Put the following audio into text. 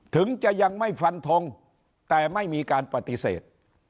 ถึงจะยังไม่ฟันทงแต่ไม่มีการปฏิเสธ